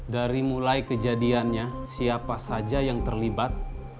dari mulai kejadiannya siapa saja yang terlibat